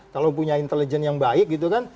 kalau punya intelijen yang baik gitu kan